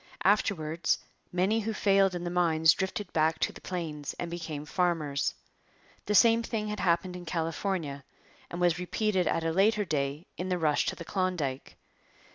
Afterwards many who failed in the mines drifted back to the plains and became farmers. The same thing had happened in California, and was repeated at a later day in the rush to the Klondike.